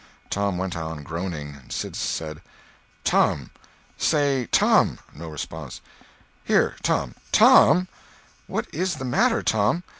Tom went on groaning. Sid said: "Tom! Say, Tom!" [No response.] "Here, Tom! TOM! What is the matter, Tom?"